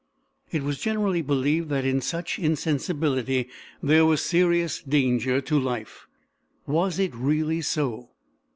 It was generally believed that in such insensibility there was serious danger to life. Was it really so?